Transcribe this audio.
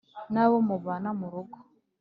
n‘abo mubana mu rugo.